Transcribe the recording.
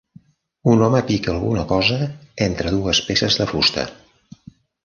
Un home pica alguna cosa entre dues peces de fusta.